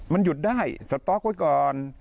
มันหยุดได้สต๊อกไว้ก่อน